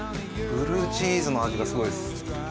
ブルーチーズの味がすごいです。